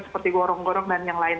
seperti gorong gorong dan yang lain